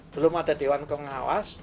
belum ada dewan pengawas